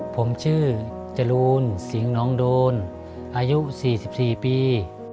ผมชื่อจรูนสิงห์น้องโดนอายุ๔๔ปี